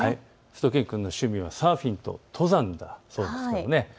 しゅと犬くんの趣味はサーフィンと登山だということです。